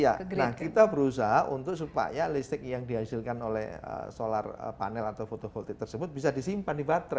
iya nah kita berusaha supaya listrik yang dihasilkan oleh solar panel atau photo voltage tersebut bisa disimpan di baterai